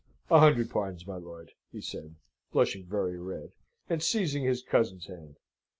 "A hundred pardons, my lord!" he said, blushing very red, and seizing his cousin's hand.